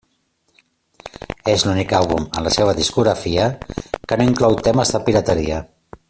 És l'únic àlbum en la seva discografia que no inclou temes de pirateria.